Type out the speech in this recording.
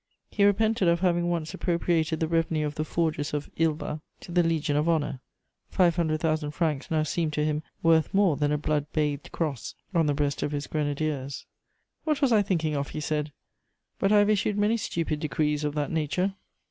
He repented of having once appropriated the revenue of the forges of "Ilva" to the Legion of Honour: 500,000 francs now seemed to him worth more than a blood bathed cross on the breast of his grenadiers. "What was I thinking of?" he said. "But I have issued many stupid decrees of that nature."